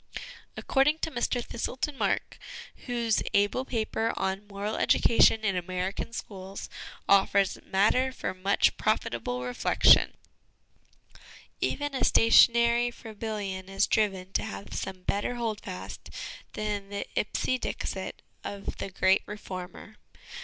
According to Mr Thistleton Mark whose able paper on ' Moral Education in American Schools ' offers matter for much profitable reflection " Even a sta tionary Froebelian is driven to have some better holdfast than the ipse dixit of the great reformer.